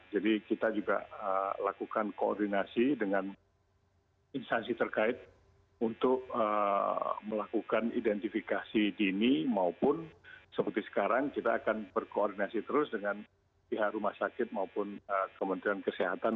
jadi kita juga lakukan koordinasi dengan instansi terkait untuk melakukan identifikasi dini maupun seperti sekarang kita akan berkoordinasi terus dengan pihak rumah sakit maupun kementerian kesehatan